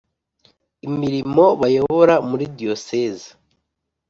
imirimo bayobora muri Diyoseze